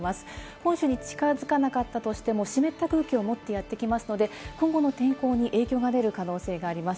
本州に近づかなかったとしても、湿った空気を持ってやってきますので、今後の天候に影響が出る可能性があります。